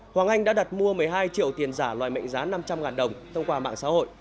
hoàng anh đã đặt mua một mươi hai triệu tiền giả loại mệnh giá năm trăm linh đồng thông qua mạng xã hội